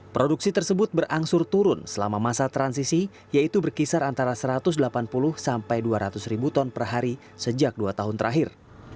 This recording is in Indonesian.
produksi tersebut berangsur turun selama masa transisi yaitu berkisar antara satu ratus delapan puluh sampai dua ratus ribu ton per hari sejak dua tahun terakhir